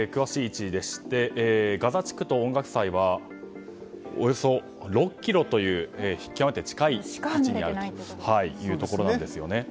ガザ地区と音楽祭はおよそ６ｋｍという極めて近い位置にあるというところなんですよね。